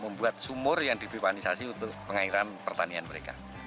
membuat sumur yang dipipanisasi untuk pengairan pertanian mereka